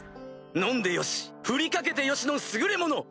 飲んでよし振りかけてよしの優れもの！